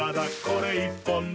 これ１本で」